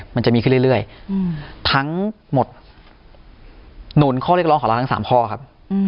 มันจะมีขึ้นเรื่อยทั้งหมดหนุนข้อเรียกร้องของเราทั้ง๓ข้อครับ